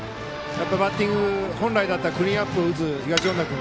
バッティング本来だったらクリーンアップを打つ東恩納君。